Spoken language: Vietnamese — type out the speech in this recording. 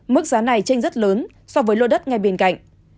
mức giá này tranh rất lớn so với lô đất ngay bên cạnh